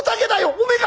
「おめえか！